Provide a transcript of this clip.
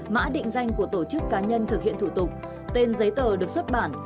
mã định danh của tổ chức cá nhân thực hiện thủ tục tên giấy tờ được xuất bản